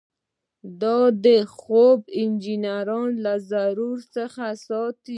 دا خلک د خرابو انجینرانو له ضرر څخه ساتي.